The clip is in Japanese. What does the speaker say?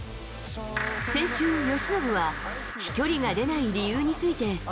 先週、由伸は飛距離が出ない理由について。